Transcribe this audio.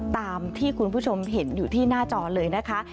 ตามที่คุณผู้ชมเห็นอยู่ที่หน้าจอเลยนะคะ